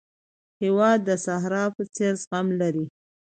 هېواد د صحرا په څېر زغم لري.